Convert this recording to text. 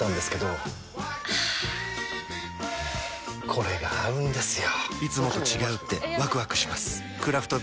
これが合うんですよ！